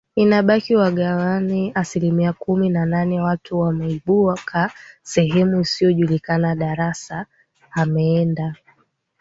inabiki wagawane asilimia kumi na nane watu wameibuka sehemu isiyojulikana Darassa amenda